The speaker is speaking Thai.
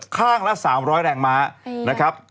ข้างละ๓๐๐แรงม้านะครับ